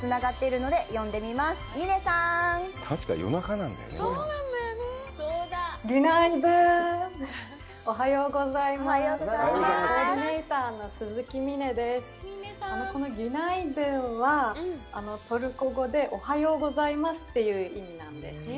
この言葉はトルコ語で「おはようございます」という意味なんです。